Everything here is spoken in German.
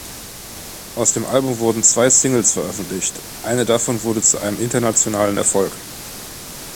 Aus dem Album wurden zwei Singles veröffentlicht; eine davon wurde zu einem internationalen Erfolg.